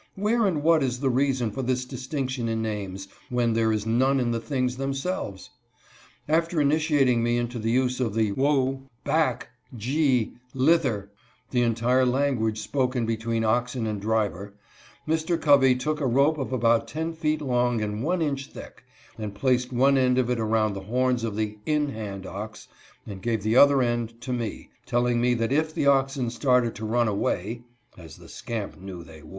Where and what is the reason for this distinction in names, when there is none in the things themselves ? After initiating me into the use of the "whoa," "back," "gee," "hither,"— the entire language spoken between oxen and driver, — Mr. Covey took a rope about ten feet long and one inch thick, and placed one end of it around the horns of the "in hand ox," and gave the other end to me, telling me that if the oxen started to run away (as the scamp knew they 144 THE AMIABLE MR. COVEY.